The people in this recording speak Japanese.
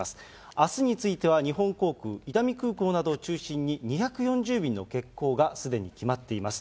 あすについては日本航空、伊丹空港などを中心に２４０便の欠航がすでに決まっています。